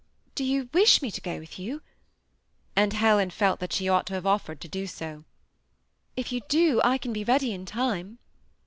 " Do you wish me to go with you ?" and Helen felt that she ought to have offered to do so. ^ If you do, I can be ready in time."